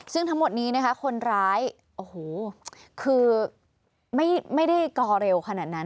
ซึ่งทั้งหมดนี้นะคะคนร้ายโอ้โหคือไม่ได้กอเร็วขนาดนั้น